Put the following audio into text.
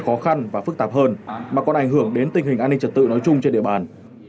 khó khăn và phức tạp hơn mà còn ảnh hưởng đến tình hình an ninh trật tự nói chung trên địa bàn